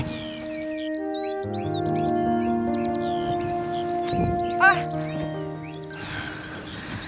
gitu keren seperti jw